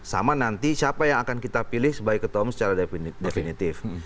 sama nanti siapa yang akan kita pilih sebagai ketua umum secara definitif